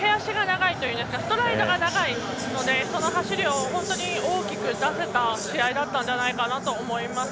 ストライドが長いのでその走りを大きく出せた試合だったんじゃないかなと思います。